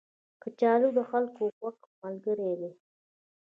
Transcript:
کچالو د خلکو خوږ ملګری دی